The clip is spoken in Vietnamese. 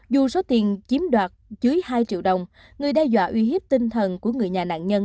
dù số tiền chiếm đoạt dưới hai triệu đồng người đe dọa uy hiếp tinh thần của người nhà nạn nhân